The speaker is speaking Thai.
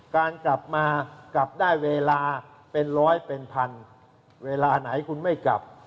การกลับมากลับได้เวลาเป็นร้อยเป็นพันเวลาไหนคุณไม่กลับ